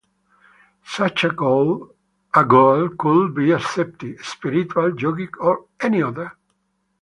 Such a goal could be ascetic, spiritual, yogic or any other.